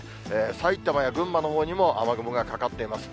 埼玉や群馬のほうにも雨雲がかかっています。